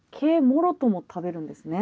もろとも食べるんですね。